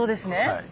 はい。